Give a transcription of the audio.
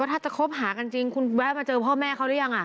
ถ้าจะคบหากันจริงคุณแวะมาเจอพ่อแม่เขาหรือยัง